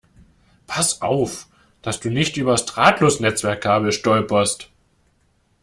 Pass auf, dass du nicht übers Drahtlosnetzwerk-Kabel stolperst!